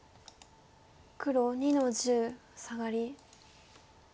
黒２の十サガリ。